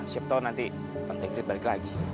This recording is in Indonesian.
siap tau nanti tante griet balik lagi